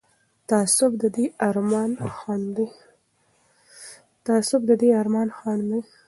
تعصب د دې ارمان خنډ دی